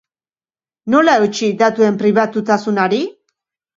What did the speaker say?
Nola eutsi datuen pribatutasunari?